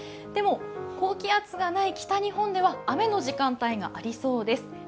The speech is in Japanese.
でも高気圧がない北日本では雨の時間帯がありそうです。